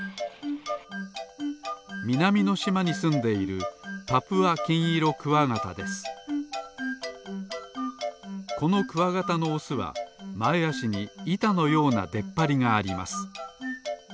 みなみのしまにすんでいるこのクワガタのオスはまえあしにいたのようなでっぱりがあります。